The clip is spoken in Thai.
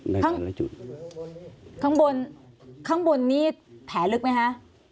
ในแต่ละจุดข้างบนข้างบนนี่แผลลึกไหมฮะ